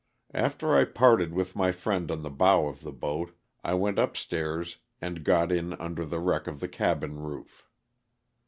After I parted with my friend on the bow of the boat I went up stairs and got in under the wreck of the cabin roof.